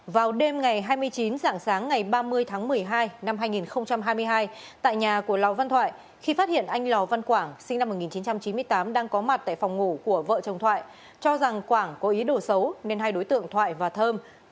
vào đêm ngày hai mươi chín dạng sáng ngày ba mươi tháng một mươi hai năm hai nghìn hai mươi hai tại nhà của lò văn thoại khi phát hiện anh lò văn quảng sinh năm một nghìn chín trăm chín mươi tám đang có mặt tại phòng ngủ của vợ chồng thoại cho rằng quảng có ý đồ xấu nên hai đối tượng thoại và thơm